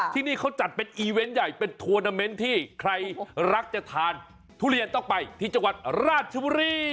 ที่นี่เขาจัดเป็นอีเวนต์ใหญ่เป็นทัวร์นาเมนต์ที่ใครรักจะทานทุเรียนต้องไปที่จังหวัดราชบุรี